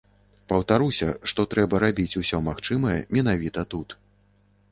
Паўтаруся, што трэба рабіць усё магчымае менавіта тут.